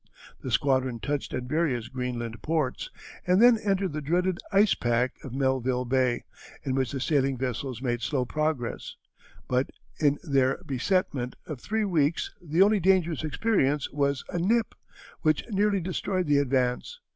The squadron touched at various Greenland ports and then entered the dreaded ice pack of Melville Bay, in which the sailing vessels made slow progress; but in their besetment of three weeks the only dangerous experience was a "nip," which nearly destroyed the Advance.